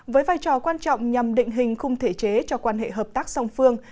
với vai trò quan trọng nhằm định hình khung thể chế cho quan hệ hợp tác song phương